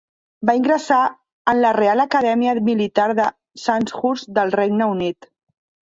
Va ingressar en la Real Acadèmia Militar de Sandhurst del Regne Unit.